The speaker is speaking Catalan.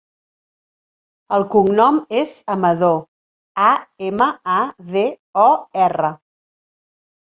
El cognom és Amador: a, ema, a, de, o, erra.